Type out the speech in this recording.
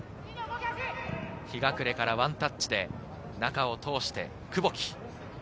日隠からワンタッチで中を通して久保木。